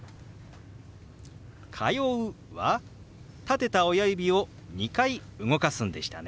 「通う」は立てた親指を２回動かすんでしたね。